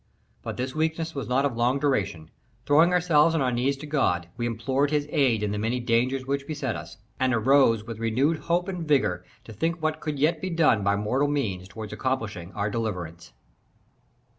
But this weakness was not of long duration. Throwing ourselves on our knees to God, we implored His aid in the many dangers which beset us; and arose with renewed hope and vigor to think what could yet be done by mortal means toward accomplishing our deliverance.